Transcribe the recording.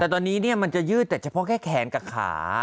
แต่ตอนนี้มันจะยืดแต่เฉพาะแค่แขนกับขา